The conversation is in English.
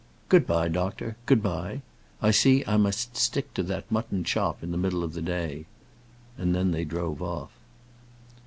Good by, doctor; good by. I see I must stick to that mutton chop in the middle of the day." And then they drove off.